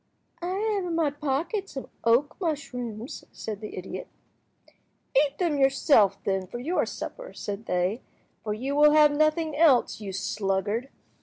"I have in my pocket some oak mushrooms," said the idiot. "Eat them yourself, then, for your supper," said they, "for you will have nothing else, you sluggard.